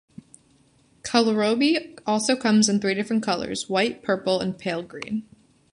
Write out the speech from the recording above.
Kohlrabi also comes in three different colors: white, purple, and pale green.